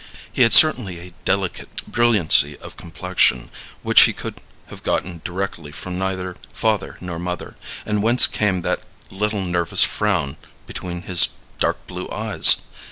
He had certainly a delicate brilliancy of complexion, which he could have gotten directly from neither father nor mother; and whence came that little nervous frown between his dark blue eyes?